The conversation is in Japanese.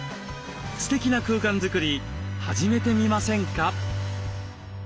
ステキな空間作り始めてみませんか？